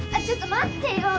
ちょっと待ってよ！